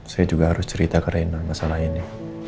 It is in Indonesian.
saya juga harus cerita ke reinhard masalah ini